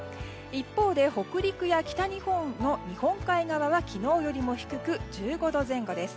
一方で、北陸や北日本の日本海側は昨日より低く１５度前後です。